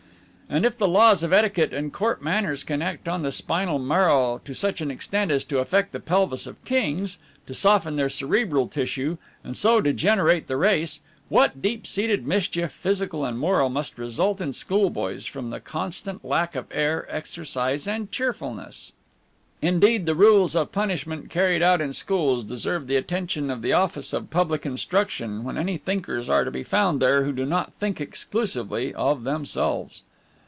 And if the laws of etiquette and Court manners can act on the spinal marrow to such an extent as to affect the pelvis of kings, to soften their cerebral tissue, and so degenerate the race, what deep seated mischief, physical and moral, must result in schoolboys from the constant lack of air, exercise, and cheerfulness! Indeed, the rules of punishment carried out in schools deserve the attention of the Office of Public Instruction when any thinkers are to be found there who do not think exclusively of themselves.